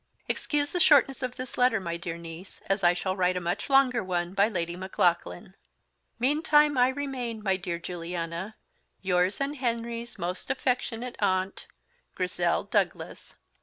Excuse the Shortness of this Letter, my dear Niece, as I shall Write a much Longer one by Lady Maclaughlan. Erysipelas. "Meantime, I remain, my "Dear Lady Juliana, yours and "Henry's most affect. aunt, "GRIZZEL DOUGLAS."